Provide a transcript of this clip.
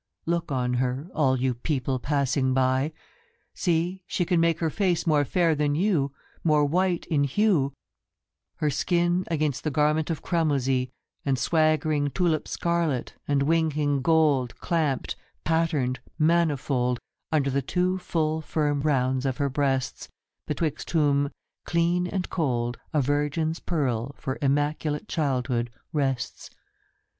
Look on her, all you people passing by ; See, she can make her face more fair than you More white in hue Her skin against the garment of cramosy And swaggering tulip scarlet, and winking gold Clamped, patterned, manifold Under the two full firm rounds of her breasts Betwixt whom, clean and cold A virgin's pearl, for immaculate childhood rests.